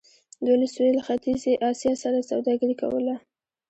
دوی له سویل ختیځې اسیا سره سوداګري کوله.